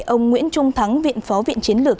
ông nguyễn trung thắng viện phó viện chiến lược